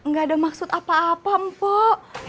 gak ada maksud apa apa mpok